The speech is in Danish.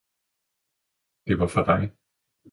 det var fra dig!